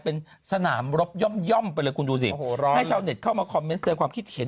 เป็นสนามรบย่อมย่อมไปเลยคุณดูสิโหร้อยเข้ามาความคิดเห็น